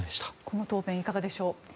この答弁いかがでしょう。